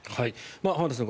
浜田さん